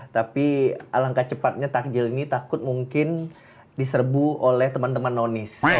tapi alangkah cepatnya takjil ini takut mungkin diserbu oleh teman teman nonis